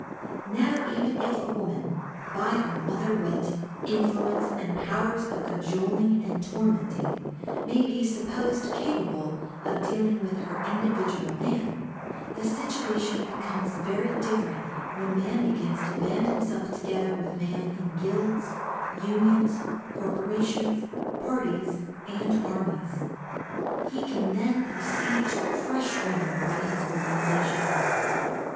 Now even if a woman, by her mother wit, influence and powers of cajoling and tormenting, may be supposed capable of dealing with her individual man, the situation becomes very different when man begins to band himself together with man in guilds, unions, corporations, parties and armies. He can then proceed to crush women by his organisations.